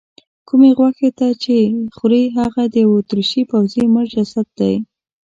کومې غوښې چې ته یې خورې هغه د یوه اتریشي پوځي مړ جسد دی.